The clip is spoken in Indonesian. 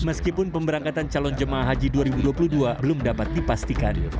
meskipun pemberangkatan calon jemaah haji dua ribu dua puluh dua belum dapat dipastikan